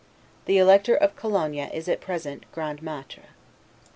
The elector of Cologne is at present 'Grand Maitre'.